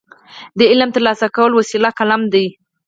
د علم ترلاسه کولو وسیله قلم دی.